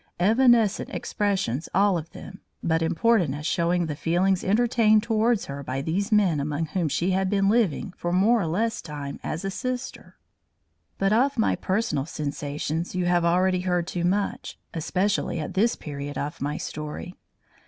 Evanescent expressions all of them, but important as showing the feelings entertained towards her by these men among whom she had been living for more or less time as a sister. But of my personal sensations you have already heard too much, especially at this period of my story.